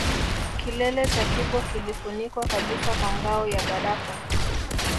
Kilele cha Kibo kilifunikwa kabisa kwa ngao ya barafu